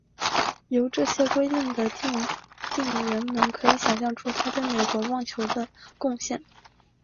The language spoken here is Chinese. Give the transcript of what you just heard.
由这些规则的订定人们可以想像出他对美国棒球的贡献。